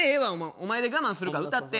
お前で我慢するから歌って。